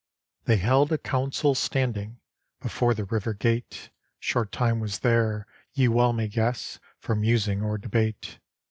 They held a council standing Before the River Gate; Short time was there, ye well may guess, For musing or debate.